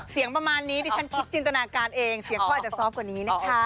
ประมาณนี้ดิฉันคิดจินตนาการเองเสียงเขาอาจจะซอฟต์กว่านี้นะคะ